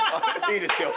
いいですよ。